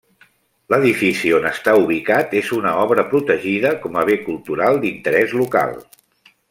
L'edifici on està ubicat és una obra protegida com a bé cultural d'interès local.